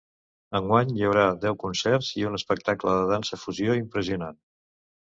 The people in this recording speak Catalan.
Enguany hi haurà deu concerts i un espectacle de dansa-fusió impressionant.